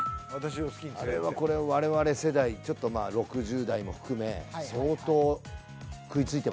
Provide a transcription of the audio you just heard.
これわれわれ世代ちょっと６０代も含め相当食い付いてますよ。